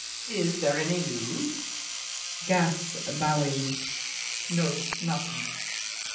Is there any news? GASSÉ (bowing). No, nothing.